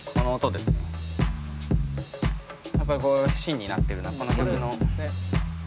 やっぱりこう芯になってるのはこの曲の。